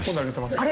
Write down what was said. あれ？